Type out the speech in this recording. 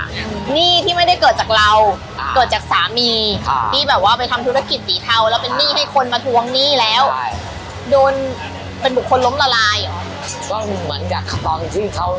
หนี้ที่ไม่ได้เกิดจากเราเกิดจากสามีที่แบบว่าไปทำธุรกิจสีเทา